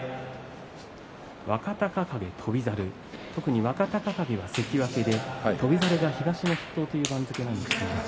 若隆景、翔猿特に若隆景が関脇で翔猿が東の筆頭という番付です。